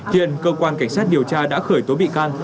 hiện cơ quan cảnh sát điều tra đã khởi tố bị can